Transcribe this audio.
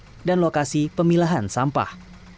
ini adalah aliran yang diperlukan oleh pemerintah untuk mengalir sampah